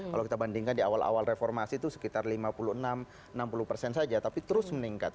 kalau kita bandingkan di awal awal reformasi itu sekitar lima puluh enam enam puluh persen saja tapi terus meningkat